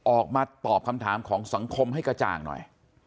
ออกมาตอบคำถามของสังคมให้กระจ่างหน่อย